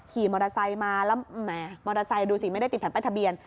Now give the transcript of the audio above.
ขี่มอเตอร์ไซค์มาแล้วแหมมอเตอร์ไซค์ดูสิไม่ได้ติดแผ่นป้ายทะเบียน